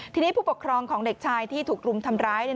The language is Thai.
ทีนี้ผู้ปกครองของเด็กชายที่ถูกรุมทำร้าย